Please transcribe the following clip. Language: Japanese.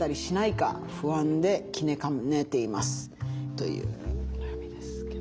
というお悩みですけども。